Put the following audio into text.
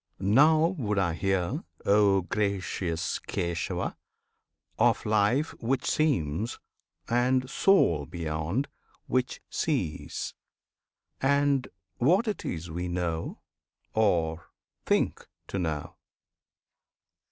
Now would I hear, O gracious Kesava![FN#26] Of Life which seems, and Soul beyond, which sees, And what it is we know or think to know.